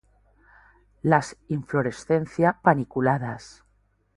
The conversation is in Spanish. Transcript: Las inflorescencia paniculadas.